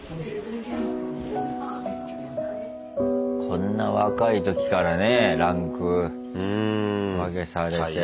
こんな若い時からねえランク分けされて。